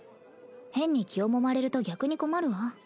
変に気をもまれると逆に困るわ。